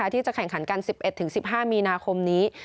ที่จะแข่งขันกัน๑๑๑๕มีนาคมนี้